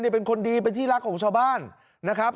เป็นคนดีเป็นที่รักของชาวบ้านนะครับ